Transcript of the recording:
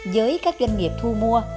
với các doanh nghiệp thu mua